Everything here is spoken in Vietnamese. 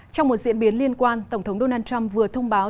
trong một diễn biến liên quan tổng thống donald trump vừa thông báo